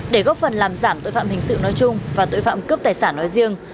để góp phần làm giảm tội phạm hình sự nói chung và tội phạm cướp tài sản nói riêng